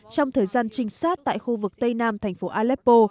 trong thời gian trinh sát tại khu vực tây nam thành phố aleppo